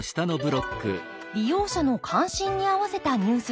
利用者の関心にあわせたニュースです。